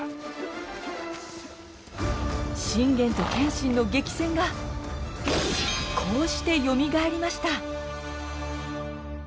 信玄と謙信の激戦がこうしてよみがえりました。